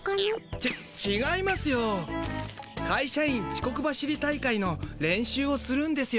ちちがいますよ。かいしゃ員ちこく走り大会の練習をするんですよ。